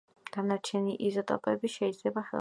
დანარჩენი იზოტოპები შეიძლება ხელოვნურად იქნან მიღებული.